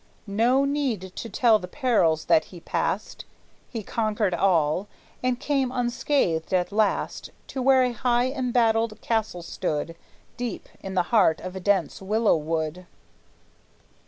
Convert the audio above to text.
No need to tell the perils that he passed; He conquered all, and came unscathed at last To where a high embattled castle stood Deep in the heart of a dense willow wood.